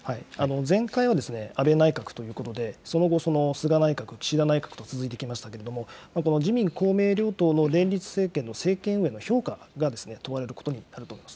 前回は、安倍内閣ということで、その後、菅内閣、岸田内閣と続いてきましたけれども、自民、公明両党の連立政権の政権運営の評価が問われることになると思います。